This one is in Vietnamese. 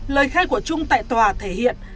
lời khai của trung tại tòa thể hiện